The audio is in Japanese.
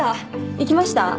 行きました？